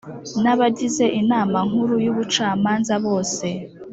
N abagize inama nkuru y ubucamanza bose